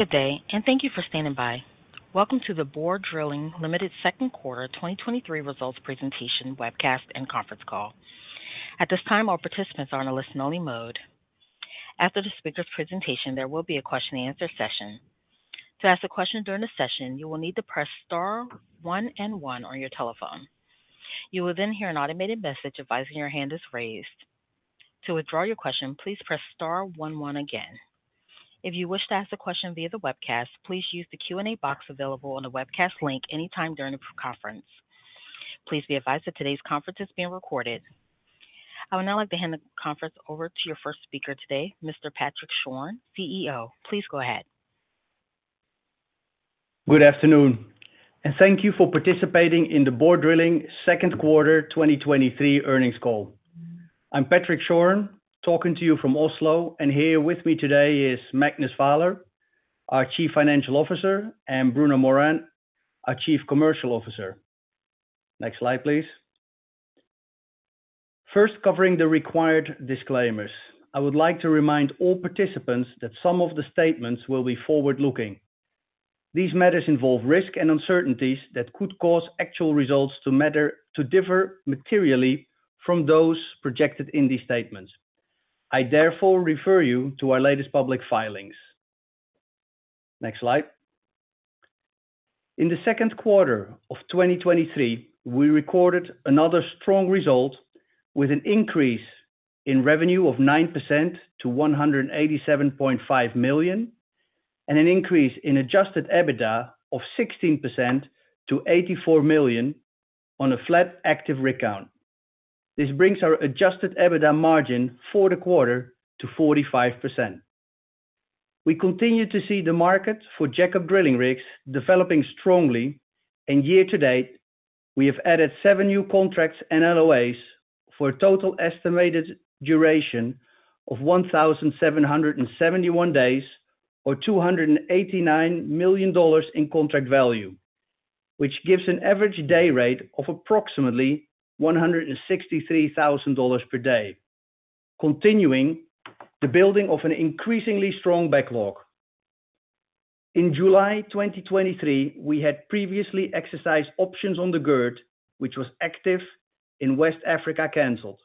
Good day. Thank you for standing by. Welcome to the Borr Drilling Limited Q2 2023 Results Presentation Webcast and Conference Call. At this time, all participants are on a listen-only mode. After the speakers' presentation, there will be a Q&A session. To ask a question during the session, you will need to press star one and one on your telephone. You will then hear an automated message advising your hand is raised. To withdraw your question, please press star one one again. If you wish to ask a question via the webcast, please use the Q&A box available on the webcast link anytime during the conference. Please be advised that today's conference is being recorded. I would now like to hand the conference over to your first speaker today, Mr. Patrick Schorn, Chief Executive Officer. Please go ahead. Good afternoon, and thank you for participating in the Borr Drilling Q2 2023 earnings call. I'm Patrick Schorn, talking to you from Oslo, and here with me today is Magnus Vaaler, our Chief Financial Officer, and Bruno Morand, our Chief Commercial Officer. Next slide, please. First, covering the required disclaimers. I would like to remind all participants that some of the statements will be forward-looking. These matters involve risks and uncertainties that could cause actual results to differ materially from those projected in these statements. I therefore refer you to our latest public filings. Next slide. In the Q2 2023, we recorded another strong result with an increase in revenue of 9% to $187.5 million, and an increase in adjusted EBITDA of 16% to $84 million on a flat active rig count. This brings our adjusted EBITDA margin for the quarter to 45%. Year to date, we have added seven new contracts and LOAs for a total estimated duration of 1,771 days, or $289 million in contract value, which gives an average day rate of approximately $163,000 per day, continuing the building of an increasingly strong backlog. In July 2023, we had previously exercised options on the Gerd, which was active in West Africa, canceled.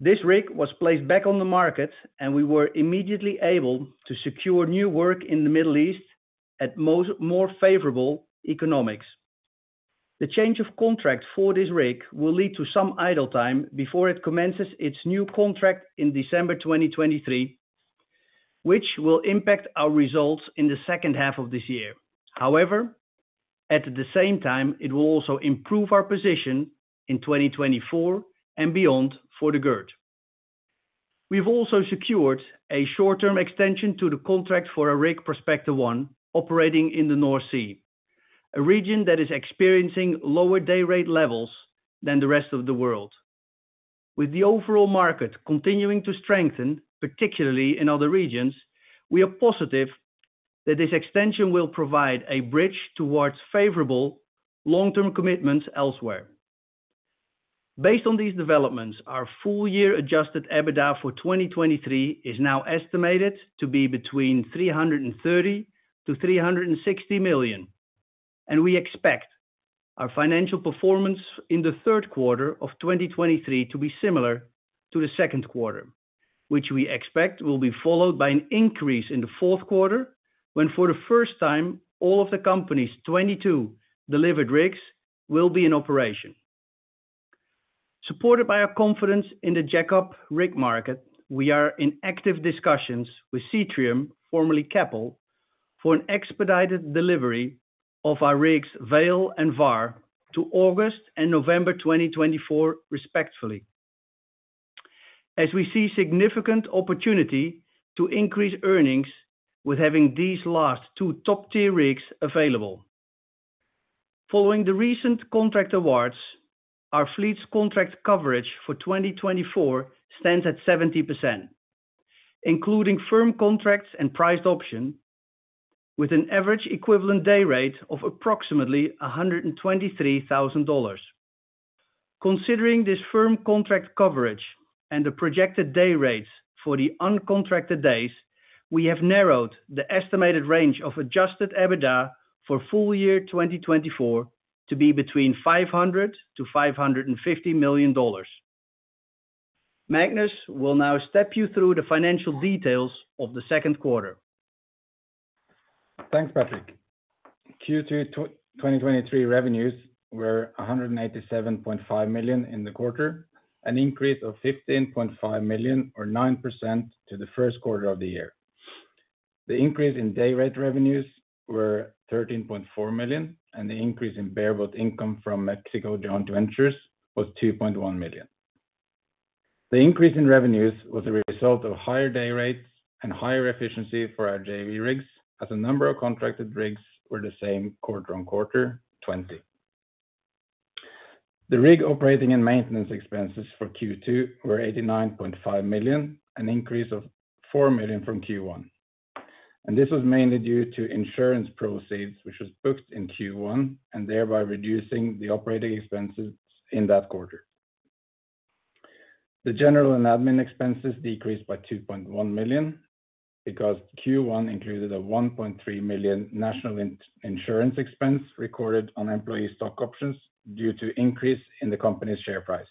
This rig was placed back on the market, we were immediately able to secure new work in the Middle East at more favorable economics. The change of contract for this rig will lead to some idle time before it commences its new contract in December 2023, which will impact our results in the second half of this year. However, at the same time, it will also improve our position in 2024 and beyond for the Gerd. We've also secured a short-term extension to the contract for our rig Prospector 1, operating in the North Sea, a region that is experiencing lower day rate levels than the rest of the world. With the overall market continuing to strengthen, particularly in other regions, we are positive that this extension will provide a bridge towards favorable long-term commitments elsewhere. Based on these developments, our full year adjusted EBITDA for 2023 is now estimated to be between $330 million and $360 million. We expect our financial performance in the Q3 of 2023 to be similar to the Q2, which we expect will be followed by an increase in the Q4, when, for the first time, all of the company's 22 delivered rigs will be in operation. Supported by our confidence in the jackup rig market, we are in active discussions with Seatrium, formerly Keppel, for an expedited delivery of our rigs, Vale and Var, to August and November 2024, respectfully, as we see significant opportunity to increase earnings with having these last two top-tier rigs available. Following the recent contract awards, our fleet's contract coverage for 2024 stands at 70%, including firm contracts and priced option, with an average equivalent day rate of approximately $123,000. Considering this firm contract coverage and the projected day rates for the uncontracted days, we have narrowed the estimated range of adjusted EBITDA for full year 2024 to be between $500 million and $550 million. Magnus will now step you through the financial details of the Q2. Thanks, Patrick. Q2 2023 revenues were $187.5 million in the quarter, an increase of $15.5 million, or 9% to the Q1 of the year. The increase in day rate revenues were $13.4 million, and the increase in bareboat income from Mexico Joint Ventures was $2.1 million. The increase in revenues was a result of higher day rates and higher efficiency for our JV rigs, as the number of contracted rigs were the same quarter-on-quarter, 20. The rig operating and maintenance expenses for Q2 were $89.5 million, an increase of $4 million from Q1, this was mainly due to insurance proceeds, which was booked in Q1, and thereby reducing the operating expenses in that quarter. The general and admin expenses decreased by $2.1 million, because Q1 included a $1.3 million National Insurance expense recorded on employee stock options due to increase in the company's share price.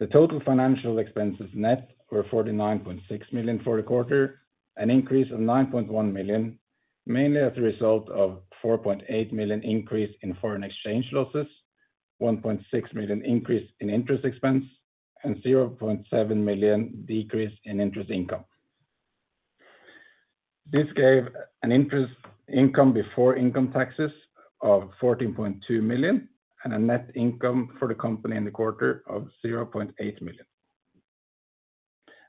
The total financial expenses net were $49.6 million for the quarter, an increase of $9.1 million, mainly as a result of $4.8 million increase in foreign exchange losses, $1.6 million increase in interest expense, and $0.7 million decrease in interest income. This gave an interest income before income taxes of $14.2 million and a net income for the company in the quarter of $0.8 million.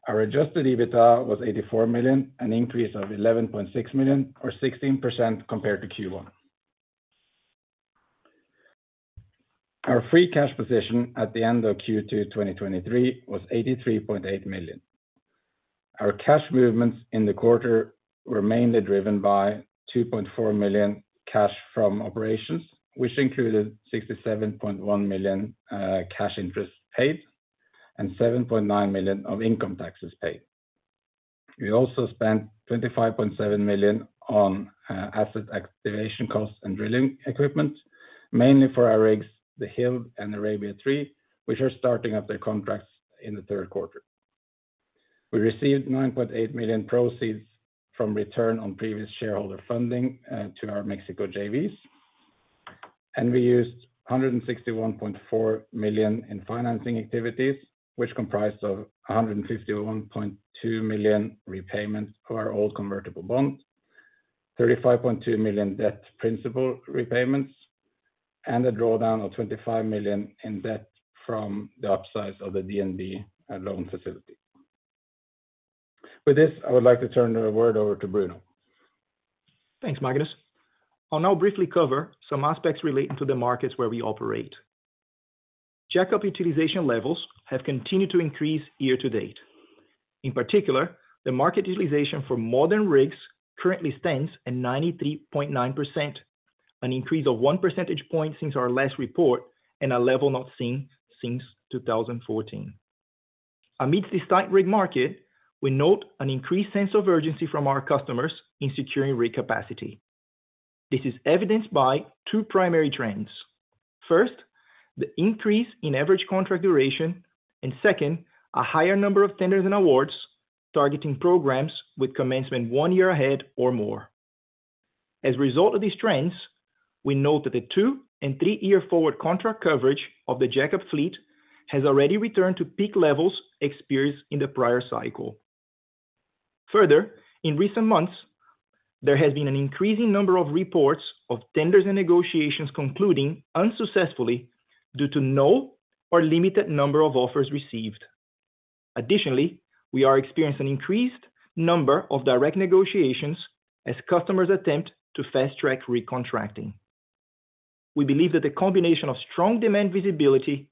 Our adjusted EBITDA was $84 million, an increase of $11.6 million, or 16% compared to Q1. Our free cash position at the end of Q2, 2023 was $83.8 million. Our cash movements in the quarter were mainly driven by $2.4 million cash from operations, which included $67.1 million cash interest paid and $7.9 million of income taxes paid. We also spent $25.7 million on asset activation costs and drilling equipment, mainly for our rigs, the Hild and Arabia III, which are starting up their contracts in the Q3. We received $9.8 million proceeds from return on previous shareholder funding to our Mexico JVs. We used $161.4 million in financing activities, which comprised of $151.2 million repayments for our old convertible bonds, $35.2 million debt principal repayments, and a drawdown of $25 million in debt from the upsize of the DNB loan facility. With this, I would like to turn the word over to Bruno. Thanks, Magnus. I'll now briefly cover some aspects relating to the markets where we operate. Jackup utilization levels have continued to increase year to date. In particular, the market utilization for modern rigs currently stands at 93.9%, an increase of 1 percentage point since our last report, and a level not seen since 2014. Amidst this tight rig market, we note an increased sense of urgency from our customers in securing rig capacity. This is evidenced by two primary trends. First, the increase in average contract duration, and second, a higher number of tenders and awards targeting programs with commencement one year ahead or more. As a result of these trends, we note that the two and three-year forward contract coverage of the jackup fleet has already returned to peak levels experienced in the prior cycle. In recent months, there has been an increasing number of reports of tenders and negotiations concluding unsuccessfully due to no or limited number of offers received. We are experiencing an increased number of direct negotiations as customers attempt to fast-track recontracting. We believe that the combination of strong demand visibility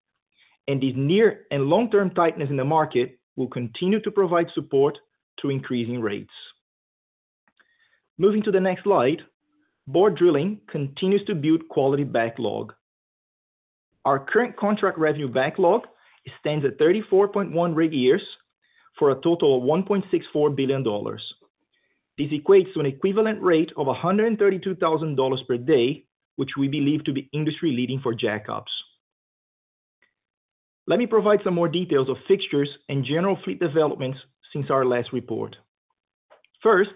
and the near and long-term tightness in the market will continue to provide support to increasing rates. Moving to the next slide, Borr Drilling continues to build quality backlog. Our current contract revenue backlog stands at 34.1 rig years for a total of $1.64 billion. This equates to an equivalent rate of $132,000 per day, which we believe to be industry-leading for jackups. Let me provide some more details of fixtures and general fleet developments since our last report. First,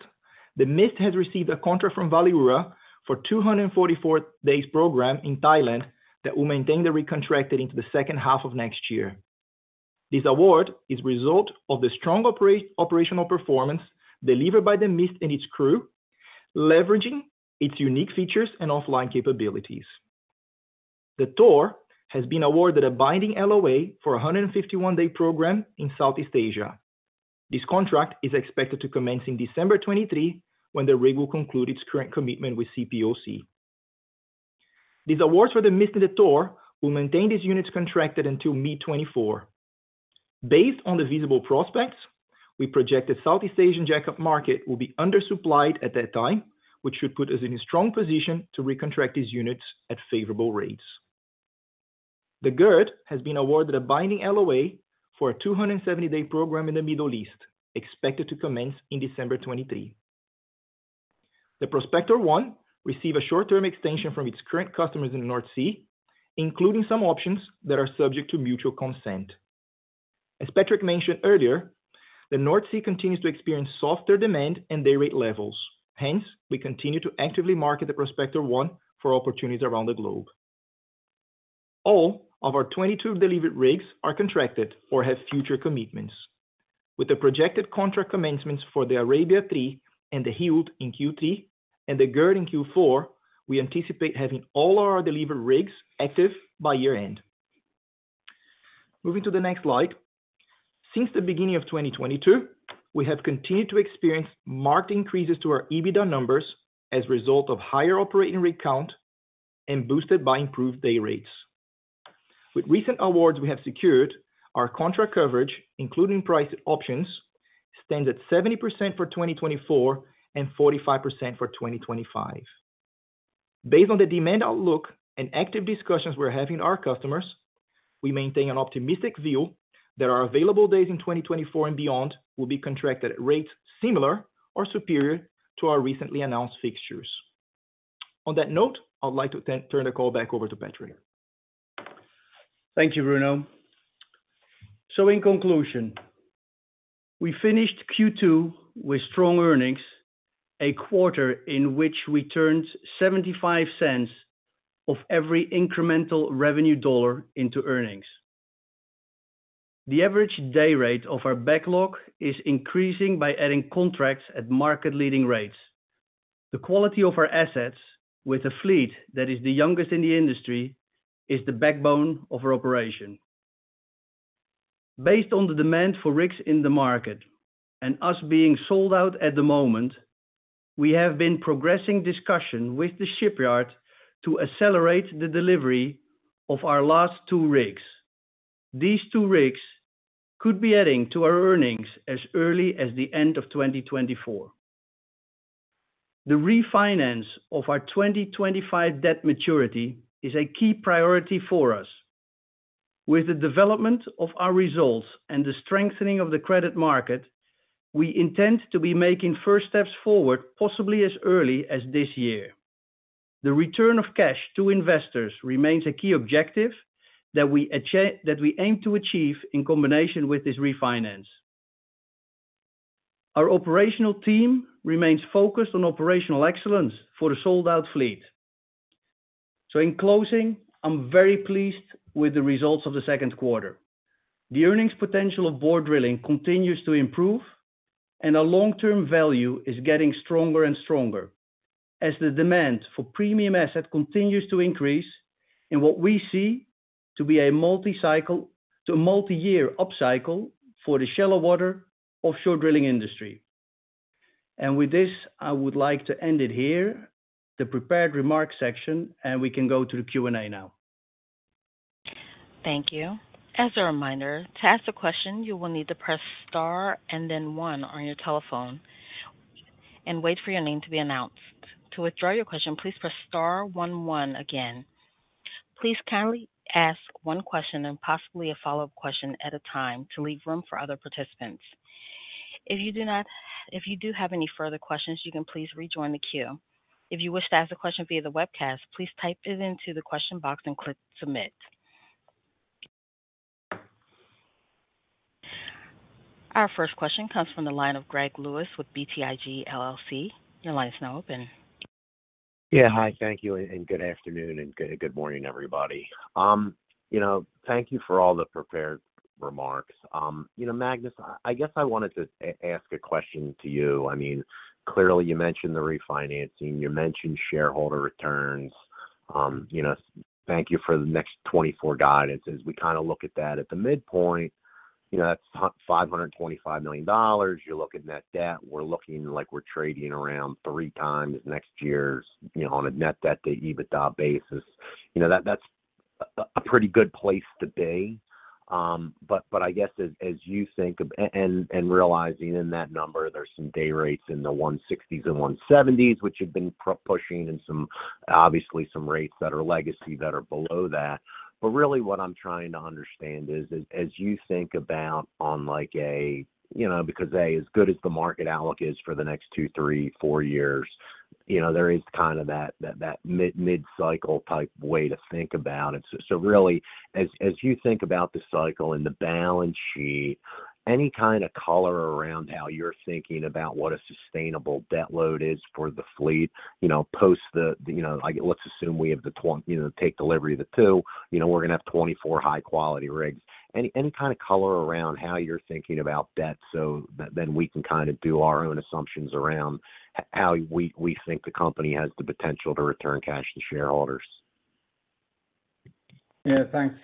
the Mist has received a contract from Valeura for 244-day program in Thailand, that will maintain the re-contracted into the second half of 2024. This award is result of the strong operational performance delivered by the Mist and its crew, leveraging its unique features and offline capabilities. The Thor has been awarded a binding LOA for a 151-day program in South East Asia. This contract is expected to commence in December 2023, when the rig will conclude its current commitment with CPOC. These awards for the Mist and the Thor will maintain these units contracted until mid-2024. Based on the visible prospects, we project the South East Asian jackup market will be undersupplied at that time, which should put us in a strong position to recontract these units at favorable rates. The Gerd has been awarded a binding LOA for a 270-day program in the Middle East, expected to commence in December 2023. The Prospector 1 received a short-term extension from its current customers in the North Sea, including some options that are subject to mutual consent. As Patrick mentioned earlier, the North Sea continues to experience softer demand and day rate levels. Hence, we continue to actively market the Prospector 1 for opportunities around the globe. All of our 22 delivered rigs are contracted or have future commitments. With the projected contract commencements for the Arabia III and the Hild in Q3 and the Gerd in Q4, we anticipate having all our delivered rigs active by year-end. Moving to the next slide. Since the beginning of 2022, we have continued to experience marked increases to our EBITDA numbers as a result of higher operating rig count and boosted by improved day rates. With recent awards we have secured, our contract coverage, including priced options, stands at 70% for 2024 and 45% for 2025. Based on the demand outlook and active discussions we're having with our customers, we maintain an optimistic view that our available days in 2024 and beyond will be contracted at rates similar or superior to our recently announced fixtures. On that note, I would like to then turn the call back over to Patrick. Thank you, Bruno. In conclusion, we finished Q2 with strong earnings, a quarter in which we turned $0.75 of every incremental revenue dollar into earnings. The average day rate of our backlog is increasing by adding contracts at market-leading rates. The quality of our assets, with a fleet that is the youngest in the industry, is the backbone of our operation. Based on the demand for rigs in the market and us being sold out at the moment, we have been progressing discussion with the shipyard to accelerate the delivery of our last two rigs. These two rigs could be adding to our earnings as early as the end of 2024. The refinance of our 2025 debt maturity is a key priority for us. With the development of our results and the strengthening of the credit market, we intend to be making first steps forward, possibly as early as this year. The return of cash to investors remains a key objective that we aim to achieve in combination with this refinance. Our operational team remains focused on operational excellence for the sold-out fleet. In closing, I'm very pleased with the results of the Q2. The earnings potential of Borr Drilling continues to improve, and our long-term value is getting stronger and stronger as the demand for premium asset continues to increase in what we see to be a multi-cycle, to a multi-year upcycle for the shallow water offshore drilling industry. With this, I would like to end it here, the prepared remarks section, and we can go to the Q&A now. Thank you. As a reminder, to ask a question, you will need to press Star and then one on your telephone and wait for your name to be announced. To withdraw your question, please press star one one again. Please kindly ask one question and possibly a follow-up question at a time to leave room for other participants. If you do have any further questions, you can please rejoin the queue. If you wish to ask a question via the webcast, please type it into the question box and click submit. Our first question comes from the line of Gregory Lewis with BTIG, LLC. Your line is now open. Yeah. Hi, thank you, and good afternoon, and good morning, everybody. You know, thank you for all the prepared remarks. You know, Magnus, I guess, I wanted to ask a question to you. I mean, clearly, you mentioned the refinancing, you mentioned shareholder returns. You know, thank you for the next 2024 guidance. As we kinda look at that, at the midpoint, you know, that's $525 million. You look at net debt, we're looking like we're trading around 3x next year's, you know, on a net debt to EBITDA basis. You know, that's a pretty good place to be. I guess as, as you think, and, and, and realizing in that number, there's some day rates in the 160s and 170s, which have been pushing, and some, obviously some rates that are legacy, that are below that. Really what I'm trying to understand is, as, as you think about on like a... You know, because, A, as good as the market outlook is for the next two, three, four years, you know, there is kind of that, that, that mid-cycle type way to think about it. Really, as, as you think about the cycle and the balance sheet, any kind of color around how you're thinking about what a sustainable debt load is for the fleet, you know, post the, you know, like, let's assume we have the, you know, take delivery of the two, you know, we're gonna have 24 high-quality rigs. Any, any kind of color around how you're thinking about debt, so that then we can kind of do our own assumptions around how we, we think the company has the potential to return cash to shareholders? Yeah. Thanks,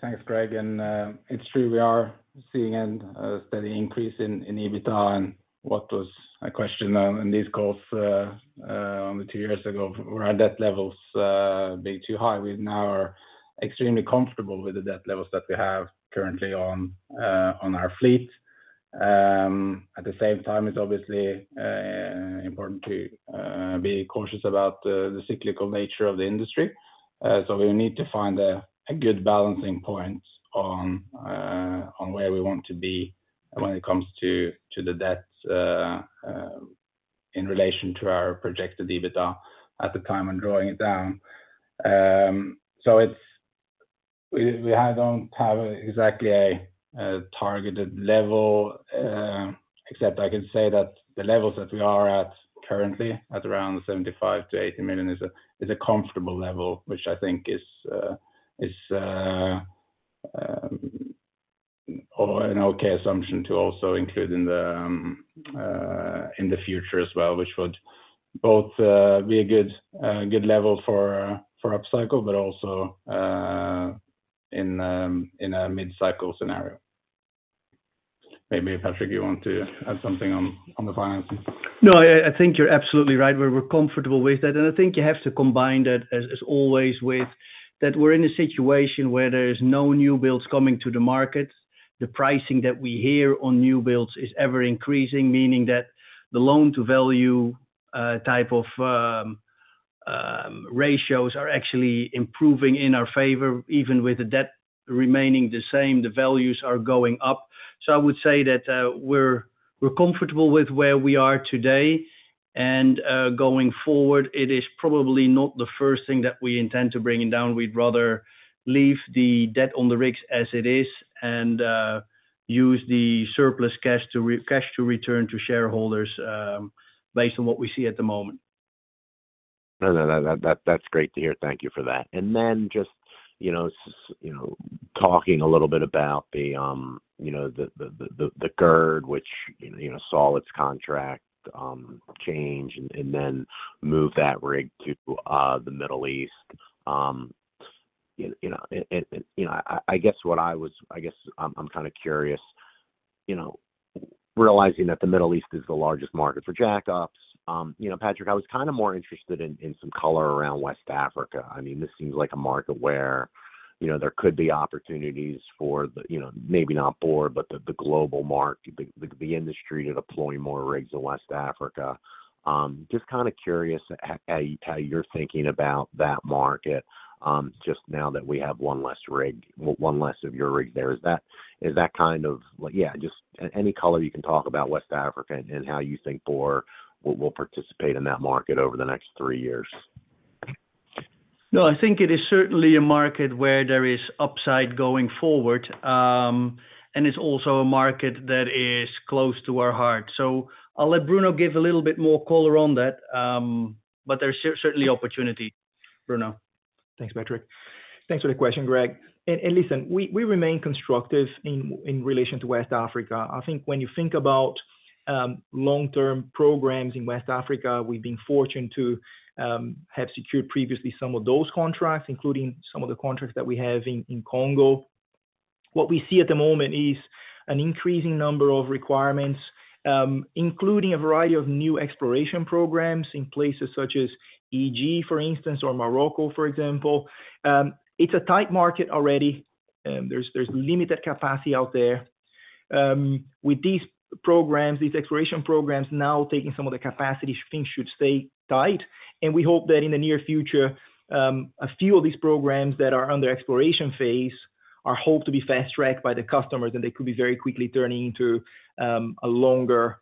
thanks, Greg. It's true, we are seeing a steady increase in EBITDA, and what was a question on this call, only two years ago, were our debt levels being too high? We now are extremely comfortable with the debt levels that we have currently on our fleet. At the same time, it's obviously important to be cautious about the cyclical nature of the industry. We need to find a good balancing point on where we want to be when it comes to the debt in relation to our projected EBITDA at the time and drawing it down. We, I don't have exactly a targeted level, except I can say that the levels that we are at currently, at around $75 million-$80 million, is a comfortable level, which I think is an okay assumption to also include in the future as well, which would both be a good, good level for upcycle, but also in a mid-cycle scenario. Maybe, Patrick, you want to add something on the financing? No, I think you're absolutely right. We're, we're comfortable with that, I think you have to combine that, as, as always, with that we're in a situation where there is no new builds coming to the market. The pricing that we hear on new builds is ever-increasing, meaning that the loan-to-value type of ratios are actually improving in our favor. Even with the debt remaining the same, the values are going up. I would say that, we're, we're comfortable with where we are today, going forward, it is probably not the first thing that we intend to bringing down. We'd rather leave the debt on the rigs as it is, use the surplus cash to cash to return to shareholders, based on what we see at the moment. No, that's great to hear. Thank you for that. Then just, you know, you know, talking a little bit about the, you know, the Gerd, which, you know, saw its contract change and, and then move that rig to the Middle East. You know, I guess I'm kind of curious, you know, realizing that the Middle East is the largest market for jackups, you know, Patrick, I was kind of more interested in, in some color around West Africa. I mean, this seems like a market where, you know, there could be opportunities for the, you know, maybe not Borr, but the, the global market, the, the industry to deploy more rigs in West Africa. Just kind of curious how, how you're thinking about that market, just now that we have one less rig, one less of your rig there. Is that kind of like just any color you can talk about West Africa and, and how you think Borr will, will participate in that market over the next three years? I think it is certainly a market where there is upside going forward. It's also a market that is close to our heart. I'll let Bruno give a little bit more color on that, but there's certainly opportunity. Bruno? Thanks, Patrick. Thanks for the question, Greg. Listen, we remain constructive in relation to West Africa. I think when you think about long-term programs in West Africa, we've been fortunate to have secured previously some of those contracts, including some of the contracts that we have in Congo. What we see at the moment is an increasing number of requirements, including a variety of new exploration programs in places such as EG, for instance, or Morocco, for example. It's a tight market already, there's limited capacity out there. With these programs, these exploration programs now taking some of the capacity, things should stay tight, and we hope that in the near future, a few of these programs that are under exploration phase are hoped to be fast-tracked by the customers, and they could be very quickly turning into longer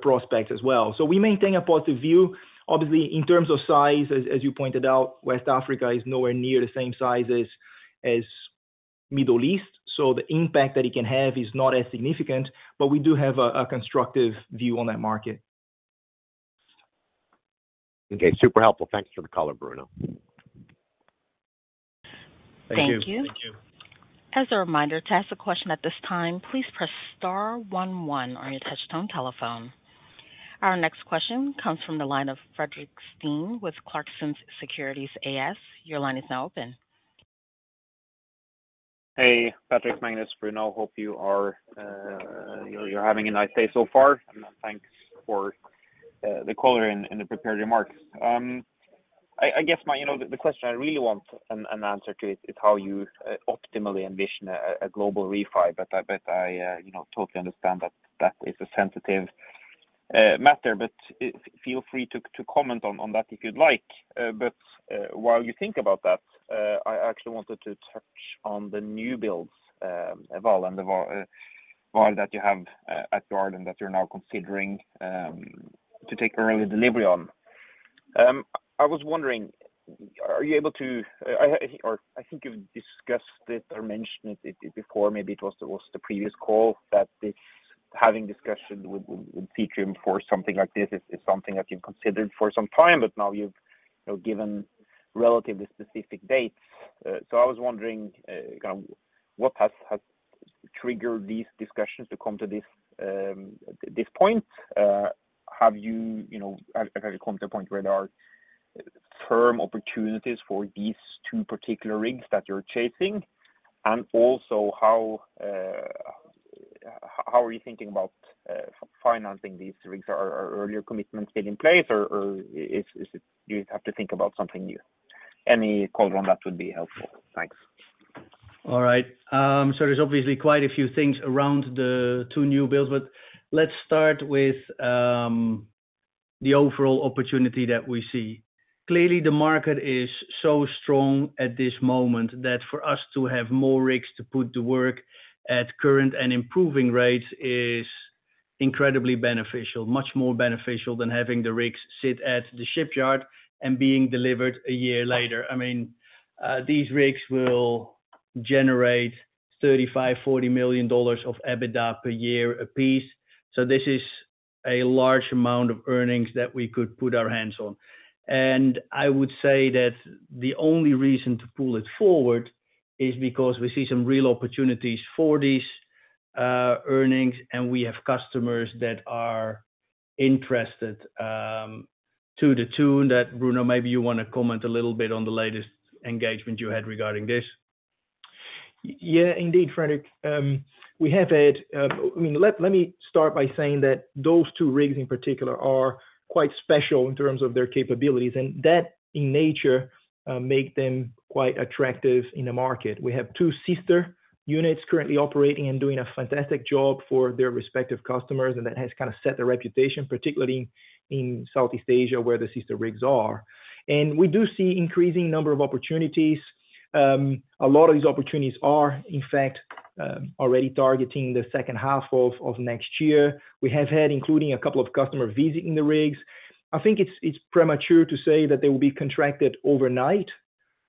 prospect as well. We maintain a positive view. Obviously, in terms of size, as, as you pointed out, West Africa is nowhere near the same size as, as Middle East, so the impact that it can have is not as significant, but we do have a constructive view on that market. Okay, super helpful. Thanks for the color, Bruno. Thank you. Thank you. As a reminder, to ask a question at this time, please press star one one on your touchtone telephone. Our next question comes from the line of Fredrik Stene with Clarksons Securities AS. Your line is now open. Hey, Patrick, Magnus, Bruno, hope you are, you know, you're having a nice day so far, and thanks for the color and the prepared remarks. I guess my, you know, the question I really want an answer to is how you optimally envision a global refi, but I bet I, you know, totally understand that that is a sensitive matter. Feel free to comment on that if you'd like. While you think about that, I actually wanted to touch on the new builds, Vale and the Var that you have at garden, that you're now considering to take early delivery on. I was wondering, are you able to, I, or I think you've discussed it or mentioned it, it before, maybe it was the previous call, that this having discussion with, with Seatrium for something like this is something that you've considered for some time, but now you've, you know, given relatively specific dates. I was wondering, kind of what has, has triggered these discussions to come to this, this point? Have you, you know, have you come to a point where there are firm opportunities for these two particular rigs that you're chasing? Also, how are you thinking about financing these rigs? Are, earlier commitments still in place, or, or is it. Do you have to think about something new? Any color on that would be helpful. Thanks. There's obviously quite a few things around the two new builds, but let's start with the overall opportunity that we see. Clearly, the market is so strong at this moment that for us to have more rigs to put to work at current and improving rates is incredibly beneficial. Much more beneficial than having the rigs sit at the shipyard and being delivered a year later. I mean, these rigs will generate $35 million-$40 million of EBITDA per year apiece, so this is a large amount of earnings that we could put our hands on. I would say that the only reason to pull it forward is because we see some real opportunities for these earnings, and we have customers that are interested, to the tune that, Bruno, maybe you want to comment a little bit on the latest engagement you had regarding this? Yeah, indeed, Fredrik, we have had, I mean, let, let me start by saying that those two rigs in particular are quite special in terms of their capabilities, and that in nature, make them quite attractive in the market. We have two sister units currently operating and doing a fantastic job for their respective customers, and that has kind of set the reputation, particularly in South East Asia, where the sister rigs are. We do see increasing number of opportunities. A lot of these opportunities are, in fact, already targeting the second half of next year. We have had including a couple of customer visiting the rigs. I think it's, it's premature to say that they will be contracted overnight,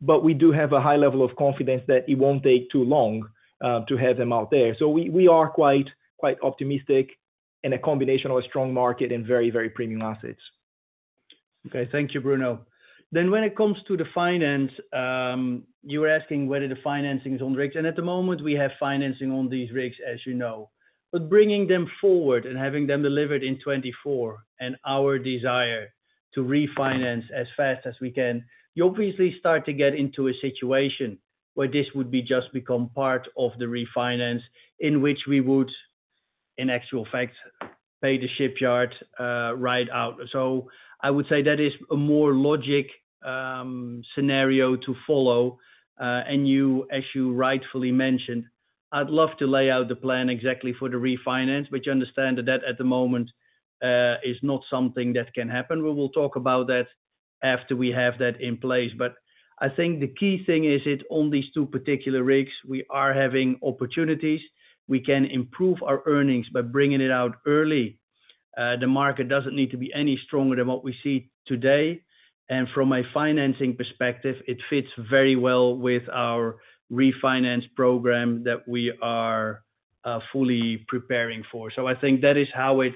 but we do have a high level of confidence that it won't take too long to have them out there. We are quite, quite optimistic in a combination of a strong market and very premium assets. Okay. Thank you, Bruno. When it comes to the finance, you were asking whether the financing is on rigs, and at the moment, we have financing on these rigs, as you know. Bringing them forward and having them delivered in 2024, and our desire to refinance as fast as we can, you obviously start to get into a situation where this would be just become part of the refinance, in which we would, in actual fact, pay the shipyard right out. I would say that is a more logic scenario to follow. You, as you rightfully mentioned, I'd love to lay out the plan exactly for the refinance, but you understand that at the moment, is not something that can happen. We will talk about that after we have that in place. I think the key thing is, on these two particular rigs, we are having opportunities. We can improve our earnings by bringing it out early. The market doesn't need to be any stronger than what we see today, and from a financing perspective, it fits very well with our refinance program that we are fully preparing for. I think that is how it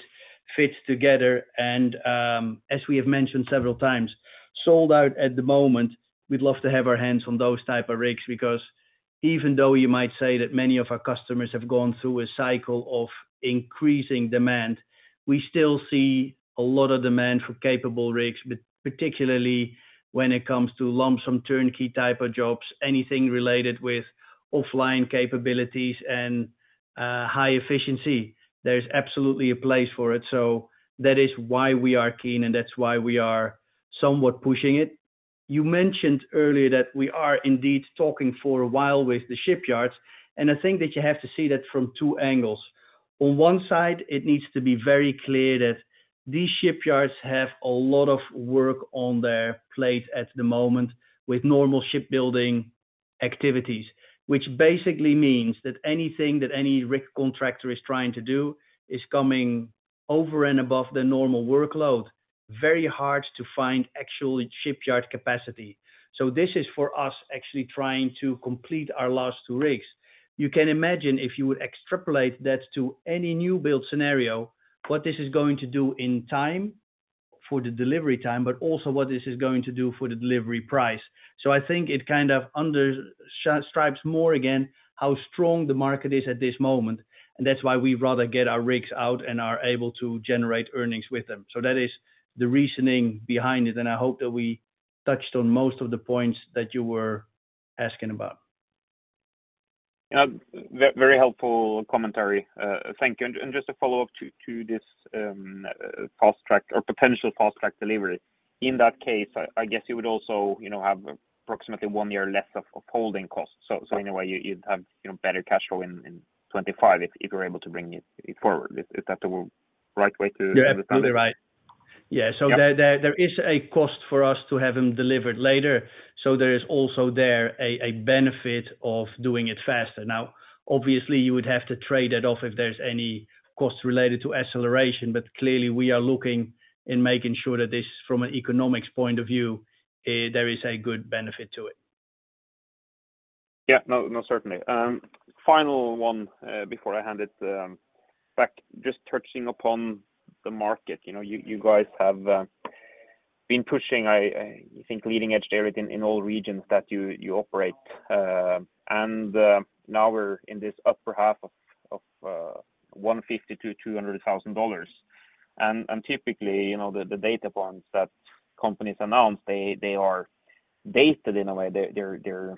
fits together, and as we have mentioned several times, sold out at the moment, we'd love to have our hands on those type of rigs, because even though you might say that many of our customers have gone through a cycle of increasing demand, we still see a lot of demand for capable rigs, but particularly when it comes to lump-sum turnkey type of jobs, anything related with offline capabilities. And high efficiency, there's absolutely a place for it. That is why we are keen, and that's why we are somewhat pushing it. You mentioned earlier that we are indeed talking for a while with the shipyards, and I think that you have to see that from two angles. On one side, it needs to be very clear that these shipyards have a lot of work on their plate at the moment with normal shipbuilding activities, which basically means that anything that any rig contractor is trying to do is coming over and above the normal workload, very hard to find actual shipyard capacity. This is for us, actually trying to complete our last two rigs. You can imagine if you would extrapolate that to any new build scenario, what this is going to do in time for the delivery time, but also what this is going to do for the delivery price. I think it kind of underscores more, again, how strong the market is at this moment, and that's why we'd rather get our rigs out and are able to generate earnings with them. That is the reasoning behind it, and I hope that we touched on most of the points that you were asking about. Very helpful commentary. Thank you. Just a follow-up to this fast track or potential fast-track delivery. In that case, I guess you would also, you know, have approximately one year less of holding costs. In a way, you'd have, you know, better cash flow in 2025 if you're able to bring it forward. Is that the right way to understand it? Yeah, completely right. Yeah. Yeah. There is a cost for us to have them delivered later, so there is also there a benefit of doing it faster. Obviously, you would have to trade that off if there's any costs related to acceleration, but clearly, we are looking in making sure that this, from an economics point of view, there is a good benefit to it. Yeah. No, certainly. Final one before I hand it back. Just touching upon the market. You know, you, you guys have been pushing, I, I think, leading edge there in all regions that you operate. Now we're in this upper half of $150,000-$200,000. Typically, you know, the data points that companies announce, they are based in a way. They're,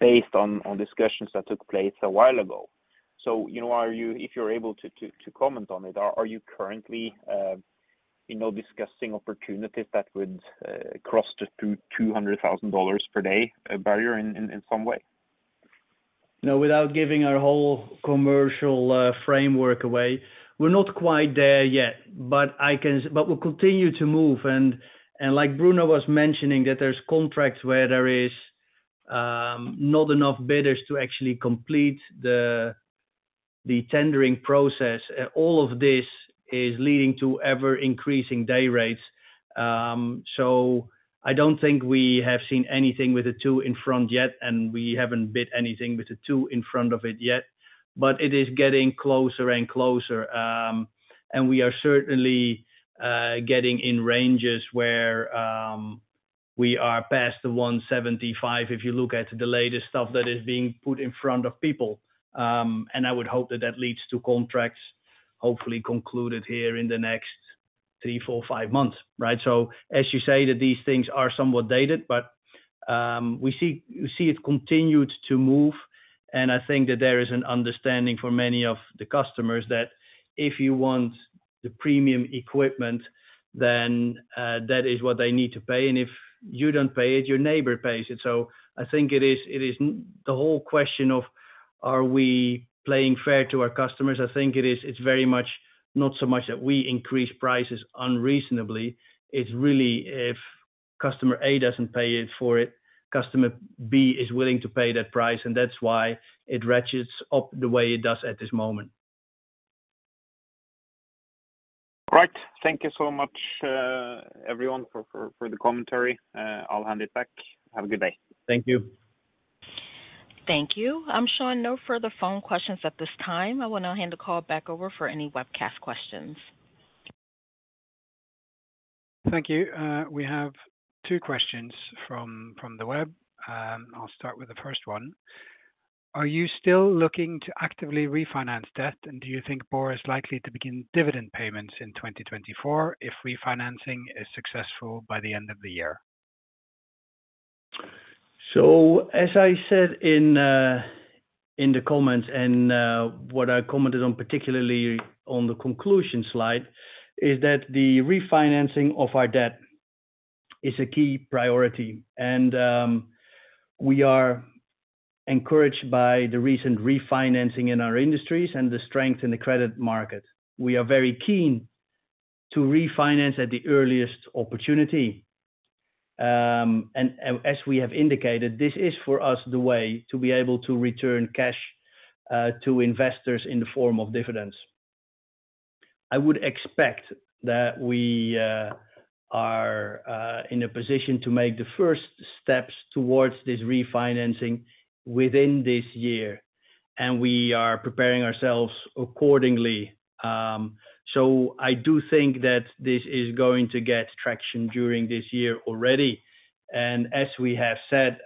based on discussions that took place a while ago. You know, are you- if you're able to comment on it, are you currently, you know, discussing opportunities that would cross the $200,000 per day barrier in some way? No, without giving our whole commercial framework away, we're not quite there yet, but we'll continue to move. Like Bruno was mentioning, that there's contracts where there is not enough bidders to actually complete the tendering process. All of this is leading to ever-increasing day rates. I don't think we have seen anything with a 2 in front yet, and we haven't bid anything with a 2 in front of it yet, but it is getting closer and closer. We are certainly getting in ranges where we are past the 175,000, if you look at the latest stuff that is being put in front of people. I would hope that that leads to contracts. Hopefully concluded here in the next three, four, five months, right? As you say, that these things are somewhat dated, but we see it continued to move, and I think that there is an understanding for many of the customers that if you want the premium equipment, then that is what they need to pay, and if you don't pay it, your neighbor pays it. I think it is the whole question of, are we playing fair to our customers? I think it's very much, not so much that we increase prices unreasonably. It's really if customer A doesn't pay it for it, customer B is willing to pay that price, and that's why it ratchets up the way it does at this moment. Right. Thank you so much, everyone, for the commentary. I'll hand it back. Have a good day. Thank you. Thank you. I'm showing no further phone questions at this time. I will now hand the call back over for any webcast questions. Thank you. We have two questions from the web. I'll start with the first one. Are you still looking to actively refinance debt, and do you think Borr is likely to begin dividend payments in 2024 if refinancing is successful by the end of the year? As I said in the comments and what I commented on, particularly on the conclusion slide, is that the refinancing of our debt is a key priority. We are encouraged by the recent refinancing in our industries and the strength in the credit market. We are very keen to refinance at the earliest opportunity. As we have indicated, this is for us, the way to be able to return cash to investors in the form of dividends. I would expect that we are in a position to make the first steps towards this refinancing within this year, and we are preparing ourselves accordingly. I do think that this is going to get traction during this year already, and as we have said,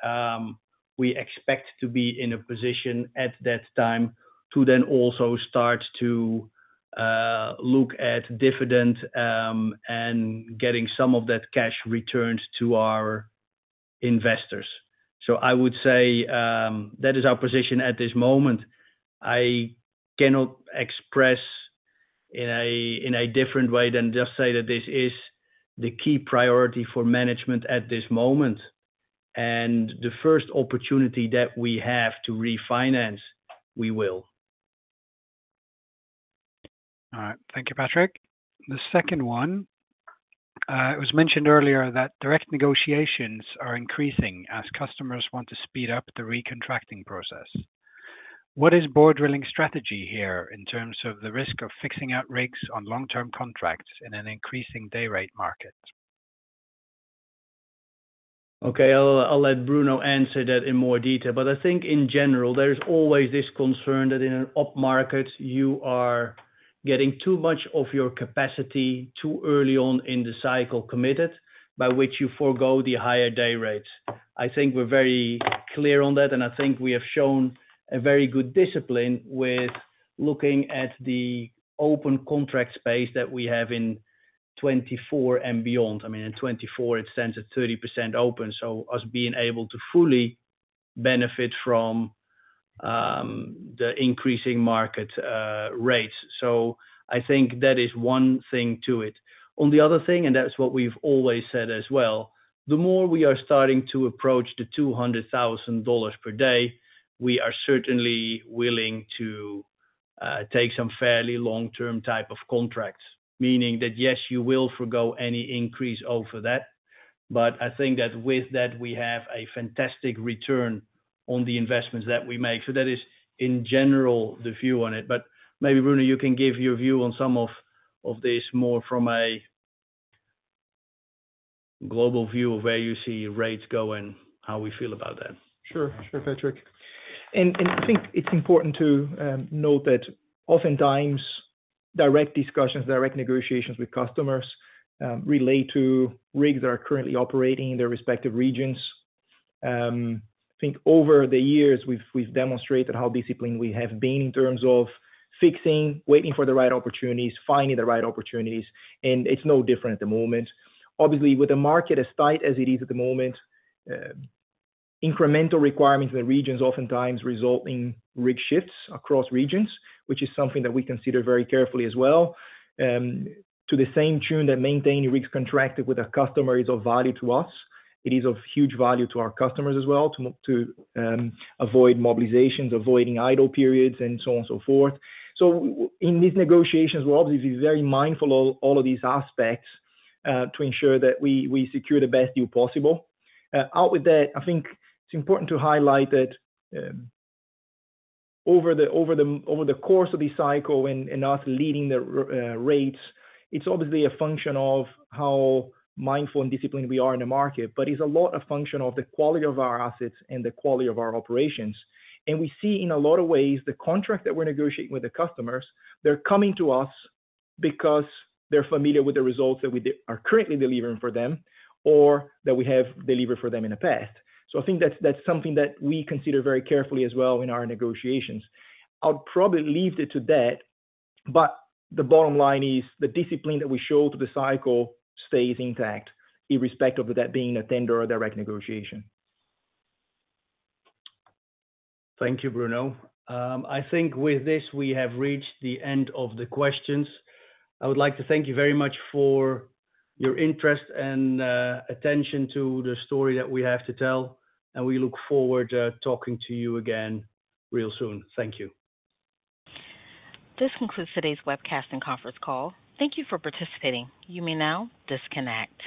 we expect to be in a position at that time to then also start to look at dividend, and getting some of that cash returned to our investors. I would say, that is our position at this moment. I cannot express in a different way than just say that this is the key priority for management at this moment, and the first opportunity that we have to refinance, we will. All right. Thank you, Patrick. The second one, it was mentioned earlier that direct negotiations are increasing as customers want to speed up the recontracting process. What is Borr Drilling strategy here in terms of the risk of fixing out rigs on long-term contracts in an increasing day rate market? Okay. I'll let Bruno answer that in more detail, but I think in general, there's always this concern that in an upmarket, you are getting too much of your capacity, too early on in the cycle committed, by which you forgo the higher day rates. I think we're very clear on that, and I think we have shown a very good discipline with looking at the open contract space that we have in 2024 and beyond. I mean, in 2024, it stands at 30% open, so us being able to fully benefit from the increasing market rates. I think that is one thing to it. On the other thing, and that's what we've always said as well, the more we are starting to approach the $200,000 per day, we are certainly willing to take some fairly long-term type of contracts, meaning that, yes, you will forgo any increase over that. I think that with that, we have a fantastic return on the investments that we make. That is, in general, the view on it. Maybe, Bruno, you can give your view on some of this more from a global view of where you see rates going, how we feel about that. Sure. Patrick. I think it's important to note that oftentimes direct discussions, direct negotiations with customers, relate to rigs that are currently operating in their respective regions. I think over the years, we've demonstrated how disciplined we have been in terms of fixing, waiting for the right opportunities, finding the right opportunities, and it's no different at the moment. Obviously, with the market as tight as it is at the moment, incremental requirements in the regions oftentimes result in rig shifts across regions, which is something that we consider very carefully as well. To the same tune that maintaining rigs contracted with a customer is of value to us, it is of huge value to our customers as well, to avoid mobilizations, avoiding idle periods, and so on and so forth. In these negotiations, we're obviously very mindful of all of these aspects to ensure that we secure the best deal possible. Out with that, I think it's important to highlight that over the course of the cycle and us leading the rates, it's obviously a function of how mindful and disciplined we are in the market, but it's a lot of function of the quality of our assets and the quality of our operations. We see, in a lot of ways, the contract that we're negotiating with the customers, they're coming to us because they're familiar with the results that we did are currently delivering for them or that we have delivered for them in the past. I think that's something that we consider very carefully as well in our negotiations. I'll probably leave it to that, but the bottom line is the discipline that we show to the cycle stays intact, irrespective of that being a tender or a direct negotiation. Thank you, Bruno. I think with this, we have reached the end of the questions. I would like to thank you very much for your interest and attention to the story that we have to tell, and we look forward to talking to you again real soon. Thank you. This concludes today's webcast and conference call. Thank you for participating. You may now disconnect.